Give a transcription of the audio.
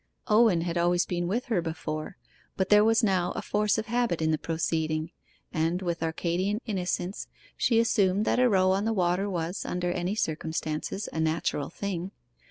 Owen had always been with her before, but there was now a force of habit in the proceeding, and with Arcadian innocence she assumed that a row on the water was, under any circumstances, a natural thing.